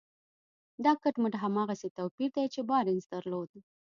دا کټ مټ هماغسې توپير دی چې بارنس درلود.